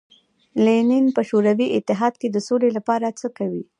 لینین په شوروي اتحاد کې د سولې لپاره څه کوي.